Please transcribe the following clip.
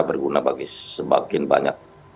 berguna bagi sebagian banyak